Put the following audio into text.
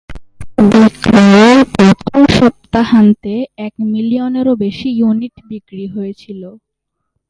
বিক্রয়ের প্রথম সপ্তাহান্তে, এক মিলিয়নেরও বেশি ইউনিট বিক্রি হয়েছিল।